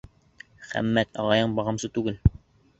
Хаммат ағайың бағымсы түгел.